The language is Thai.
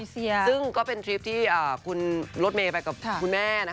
ซึ่งก็เป็นทริปที่คุณรถเมย์ไปกับคุณแม่